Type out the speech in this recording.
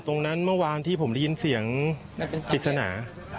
เมื่อวานที่ผมได้ยินเสียงปริศนา